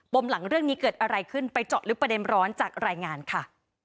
มหลังเรื่องนี้เกิดอะไรขึ้นไปเจาะลึกประเด็นร้อนจากรายงานค่ะ